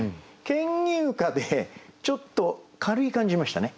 「牽牛花」でちょっと軽い感じしましたね。